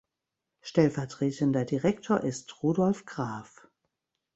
Stellvertretender Direktor ist Rudolf Graf.